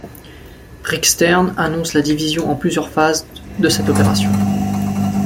Rick Stern annonce la division en plusieurs phases de cette opération.